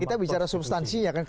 kita bicara substansinya kan